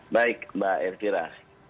baik mbak elvira